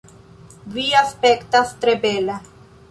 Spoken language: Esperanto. Vi aspektas tre bela